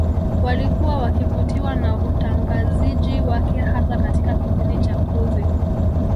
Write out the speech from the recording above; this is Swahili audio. Walikuwa wakivutiwa na utangaziji wake hasa katika kipindi cha kruzi